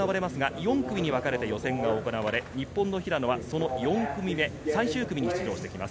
４組にわかれて予選が行われ、日本は４組目、最終組に出場してきます。